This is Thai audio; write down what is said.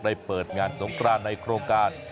เปิดงานสงครานในโครงการ